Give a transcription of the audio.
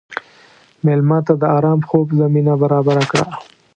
مېلمه ته د ارام خوب زمینه برابره کړه.